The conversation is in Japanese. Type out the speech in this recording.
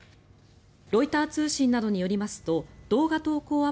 ロイター通信などによりますと動画投稿